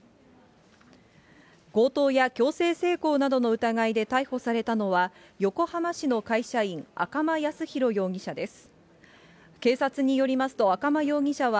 強盗や強制性交などの疑いで逮捕されたのは、横浜市の会社員、赤間靖浩容疑者です。